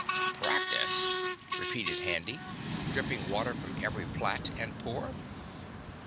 "Practice!" repeated Handy, dripping water from every plait and pore.